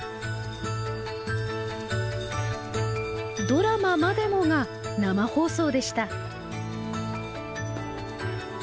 ドラマまでもが生放送でした。